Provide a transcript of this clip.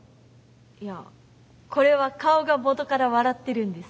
いやこれは顔が元から笑ってるんです。